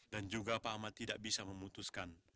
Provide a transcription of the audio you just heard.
juga pak ahmad tidak bisa memutuskan